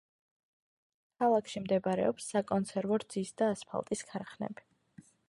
ქალაქში მდებარეობს საკონსერვო, რძის და ასფალტის ქარხნები.